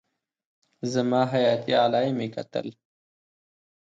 زما حياتي علايم يې کتل.